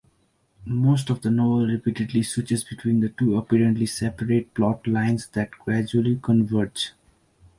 Most of the novel repeatedly switches between two apparently separate plotlines that gradually converge.